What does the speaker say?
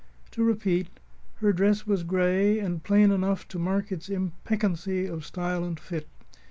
To repeat: Her dress was gray, and plain enough to mask its impeccancy of style and fit.